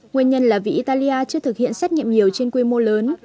nguyên nhân là vì italia chưa thực hiện xét nghiệm nhiều trên quy mô lớn